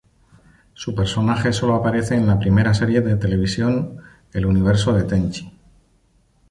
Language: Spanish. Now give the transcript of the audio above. Su personaje solo aparece en la primera serie de televisión "El Universo de Tenchi".